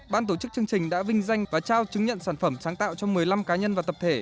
ban tổ chức chương trình đã vinh danh và trao chứng nhận sản phẩm sáng tạo cho một mươi năm cá nhân và tập thể